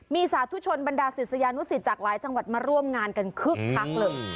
มีสาธุชนบรรดาศิษยานุสิตจากหลายจังหวัดมาร่วมงานกันคึกคักเลย